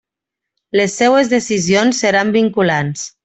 Les seues decisions seran vinculants.